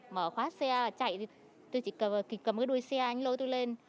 mở khóa xe chạy tôi chỉ kịp cầm đuôi xe anh lôi tôi lên